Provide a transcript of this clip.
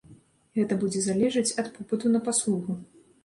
Гэта будзе залежаць ад попыту на паслугу.